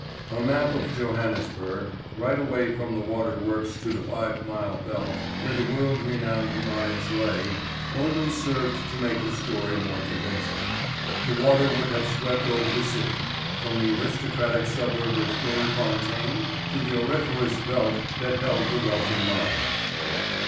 ] A map of Johannesburg, right away from the water works to the five mile belt, where the world renowned mines lay, only served to make the story more convincing. The water would have swept over the city, from the aristocratic suburb of Dornfontein to the auriferous belt that held the wealthy mines.